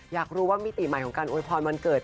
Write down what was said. อยากรู้ว่ามิติใหม่ของการโวยพรวันเกิด